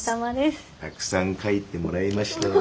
たくさん書いてもらいました。